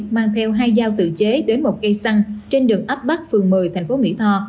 mang theo hai dao tự chế đến một cây xăng trên đường ấp bắc phường một mươi thành phố mỹ tho